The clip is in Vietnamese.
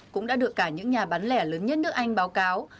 cũng đã được cả những nhà bán lẻ lớn nhất nước anh báo cáo